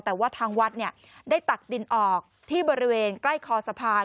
แต่ว่าทางวัดได้ตักดินออกที่บริเวณใกล้คอสะพาน